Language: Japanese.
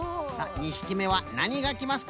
２ひきめはなにがきますか？